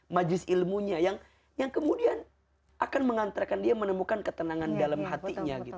majlis ilmunya yang kemudian akan mengantarkan dia menemukan ketenangan dalam hatinya gitu